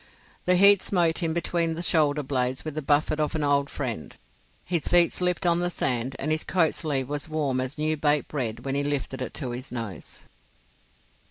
The heat smote him between the shoulder blades with the buffet of an old friend, his feet slipped on the sand, and his coat sleeve was warm as new baked bread when he lifted it to his nose.